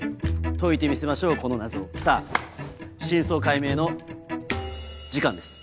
解いてみせましょうこの謎をさぁ真相解明の時間です。